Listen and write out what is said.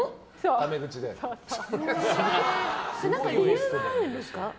理由があるんですか？